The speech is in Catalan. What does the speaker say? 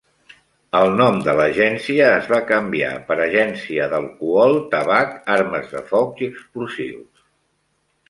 El nom de l'agència es va canviar per Agència d'Alcohol, Tabac, Armes de Foc i Explosius.